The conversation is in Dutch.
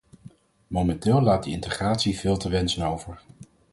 Momenteel laat die integratie veel te wensen over.